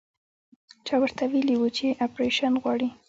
چا ورته ويلي وو چې اپرېشن غواړي.